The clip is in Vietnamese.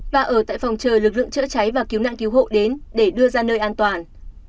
và ở tại phòng chờ lực lượng chữa cháy và cứu nạn cứu hộ đến để đưa ra nơi an toàn